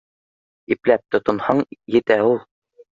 Ипләп тотонһаң, етә ул.